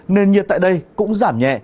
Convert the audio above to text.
nền nhiệt tại đây cũng giảm nhẹ